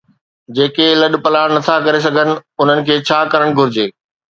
جيڪي لڏپلاڻ نٿا ڪري سگهن، انهن کي ڇا ڪرڻ گهرجي؟